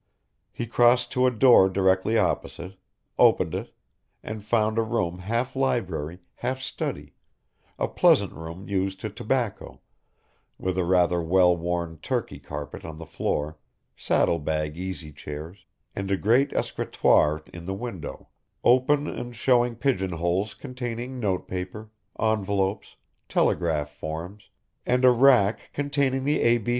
He crossed to a door directly opposite, opened it, and found a room half library, half study, a pleasant room used to tobacco, with a rather well worn Turkey carpet on the floor, saddle bag easy chairs, and a great escritoire in the window, open and showing pigeon holes containing note paper, envelopes, telegraph forms, and a rack containing the A.